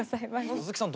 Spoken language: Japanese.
鈴木さん